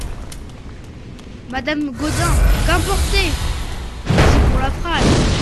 Madame Gaudin Qu'importé ? c'est pour la phrase !